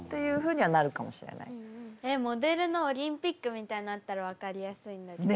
えっモデルのオリンピックみたいのあったら分かりやすいんだけど。